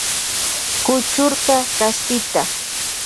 Kuchurka kaspita.